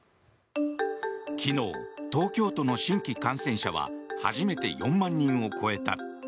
昨日、東京都の新規感染者は初めて４万人を超えた。